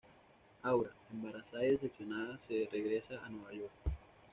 Aura, embarazada y decepcionada se regresa a Nueva York.